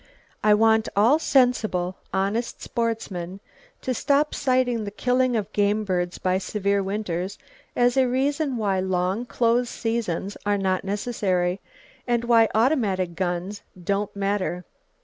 I want all sensible, honest sportsmen to stop citing the killing of game birds by severe winters as a reason why long close seasons are not necessary, and why automatic guns "don't matter."